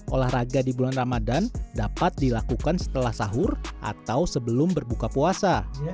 olahraga di bulan ramadan dapat dilakukan setelah sahur atau sebelum berbuka puasa